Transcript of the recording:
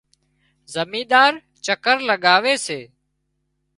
زمينۮار چڪر لڳاوي سي